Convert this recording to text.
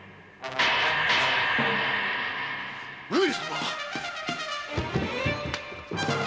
上様！